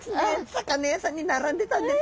魚屋さんに並んでたんです。